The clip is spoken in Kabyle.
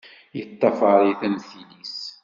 Yeṭṭafaṛ-it am tili-s!